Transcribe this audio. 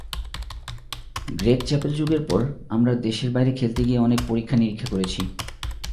Greg Chappell যুগের পর, আমরা দেশের বাইরে খেলতে গিয়ে অনেক পরীক্ষা-নিরীক্ষা করেছি।